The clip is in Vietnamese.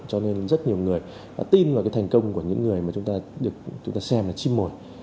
cho nên rất nhiều người đã tin vào cái thành công của những người mà chúng ta được chúng ta xem là chim mồi